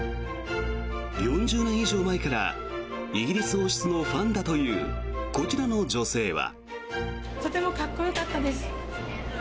４０年以上前からイギリス王室のファンだというこちらの女性は。